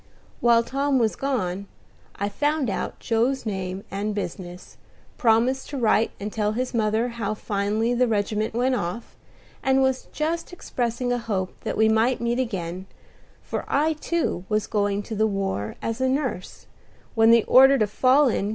While Tom was gone, I found out Joe's name and business, promised to write and tell his mother how finely the regiment went off, and was just expressing a hope that we might meet again, for I too was going to the war as nurse, when the order to "Fall in!"